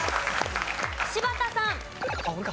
柴田さん。